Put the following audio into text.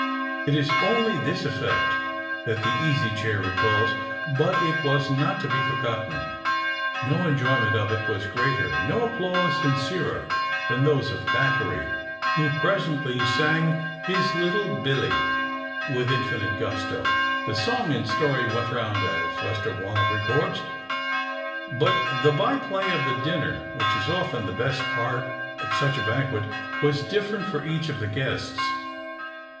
It is only this effect that the Easy Chair recalls, but it was not to be forgotten. No enjoyment of it was greater, and no applause sincerer than those of Thackeray, who presently sang his "Little Billee" with infinite gusto. The song and story went round, as Lester Wallack records, but the by play of the dinner, which is often the best part of such a banquet, was different for each of the guests.